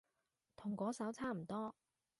同嗰首差唔多